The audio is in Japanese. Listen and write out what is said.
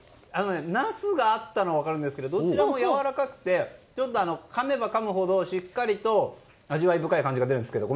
ナスがあったのは分かるんですがどちらもやわらかくてかめばかむほどしっかりと味わい深い感じが出るんですけど。